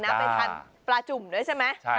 ไปทานปลาจุ่มด้วยใช่ไหม